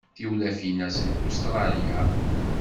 Tiwlafin-a seg Ustṛalya.